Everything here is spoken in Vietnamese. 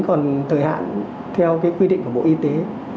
còn thời hạn theo cái quy định của bộ y tế